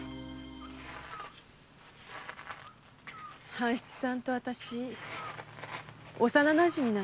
半七さんと私は幼なじみなんです。